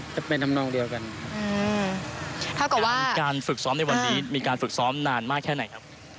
สำหรับการฝึกซ้อมในวันนี้มีการฝึกซ้อมนานมากแค่ไหนครับ